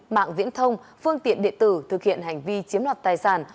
mạng viễn thông phương tiện điện tử thực hiện hành vi chiếm đoạt tài sản